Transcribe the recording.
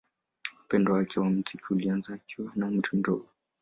Upendo wake wa muziki ulianza akiwa na umri mdogo.